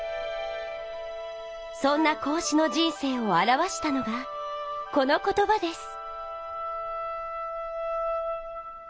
そんな孔子の人生をあらわしたのがこの言葉です。